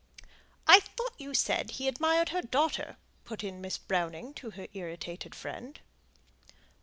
"I thought you said he admired her daughter," put in Miss Browning to her irritated friend.